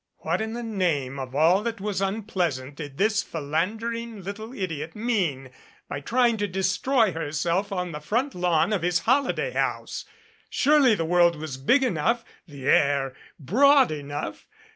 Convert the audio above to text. What in the name of all that was un pleasant did this philandering little idiot mean by trying to destroy herself on the front lawn of his holiday house? Surely the world was big enough, the air broad enough.